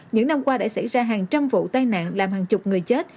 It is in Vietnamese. những năm qua đã xảy ra hàng trăm vụ tai nạn làm hàng chục người chết